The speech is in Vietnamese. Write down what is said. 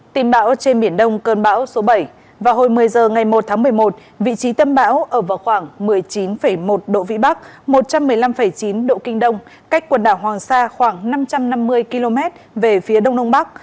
tin bão trên biển đông cơn bão số bảy vào hồi một mươi giờ ngày một tháng một mươi một vị trí tâm bão ở vào khoảng một mươi chín một độ vĩ bắc một trăm một mươi năm chín độ kinh đông cách quần đảo hoàng sa khoảng năm trăm năm mươi km về phía đông đông bắc